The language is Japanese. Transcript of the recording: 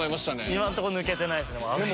今のとこ抜けてないっすね。